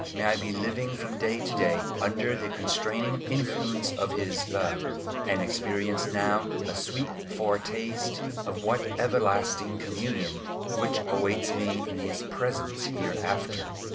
May I be living from day to day under the constraining influence of His love, and experience now a sweet foretaste of that everlasting communion which awaits me in His presence hereafter.